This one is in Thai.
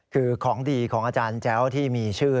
คือของดีของอาจารย์แจ้วที่มีชื่อ